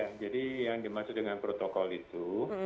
ya jadi yang dimaksud dengan protokol itu